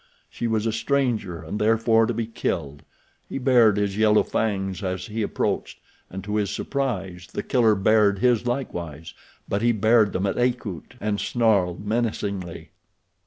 She was a stranger and therefore to be killed. He bared his yellow fangs as he approached, and to his surprise The Killer bared his likewise, but he bared them at Akut, and snarled menacingly.